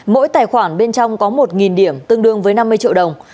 mỗi tài khoản bên trong có một điểm tương đương với năm mươi triệu đồng